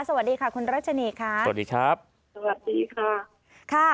สวัสดีค่ะคุณรัชนีค่ะสวัสดีครับสวัสดีค่ะค่ะ